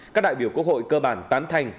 các đại biểu quốc hội cơ bản tán thành